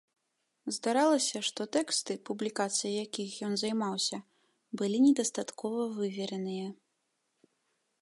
Здаралася, што тэксты, публікацыяй якіх ён займаўся, былі недастаткова вывераныя.